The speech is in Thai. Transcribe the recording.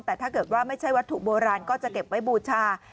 แต่ถ้าเกิดว่าไม่ใช่วัตถุโบราณก็จะเก็บไว้บูชา